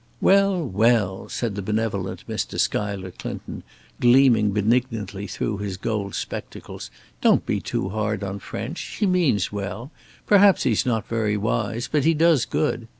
"Well, well!" said the benevolent Mr. Schuyler Clinton, gleaming benignantly through his gold spectacles; "don't be too hard on French. He means well. Perhaps he's not very wise, but he does good.